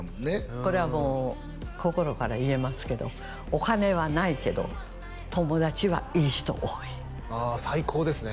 これはもう心から言えますけどお金はないけど友達はいい人多いああ最高ですね